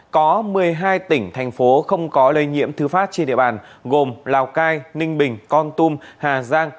có một mươi hai tỉnh thành phố không có lây nhiễm thứ phát trên địa bàn gồm lào cai ninh bình con tum hà giang